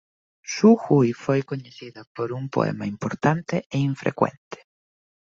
Su Hui foi coñecida por un poema importante e infrecuente.